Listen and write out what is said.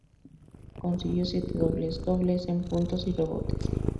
Consiguió siete dobles-dobles en puntos y rebotes.